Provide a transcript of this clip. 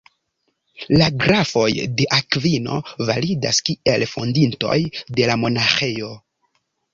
La grafoj de Akvino validas kiel fondintoj de la monaĥejo.